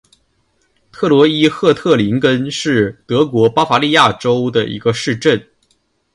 特罗伊赫特林根是德国巴伐利亚州的一个市镇。